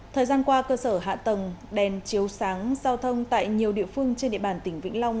thời gian qua cơ sở hạ tầng đèn chiếu sáng giao thông tại nhiều địa phương trên địa bàn tỉnh vĩnh long